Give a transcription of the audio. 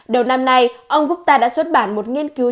đầu năm nay ông gutta đã xuất bản một nghiên cứu